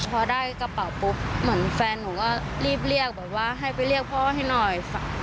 พอได้กระเป๋าปุ๊บเหมือนแฟนหนูก็รีบเรียกแบบว่าให้ไปเรียกพ่อให้หน่อย